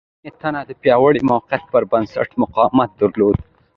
د ونې تنه د پیاوړي موقعیت پر بنسټ مقاومت درلود.